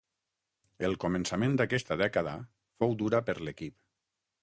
El començament d'aquesta dècada fou dura per l'equip.